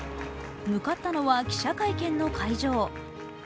向かったのは記者会見の会場。